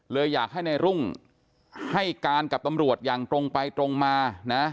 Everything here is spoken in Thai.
อยากให้ในรุ่งให้การกับตำรวจอย่างตรงไปตรงมานะ